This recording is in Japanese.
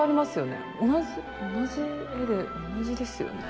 同じ絵で同じですよね。